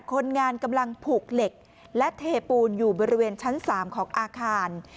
คนงานกำลังผูกเหล็กและเทปูนอยู่บริเวณชั้น๓ของอาคาร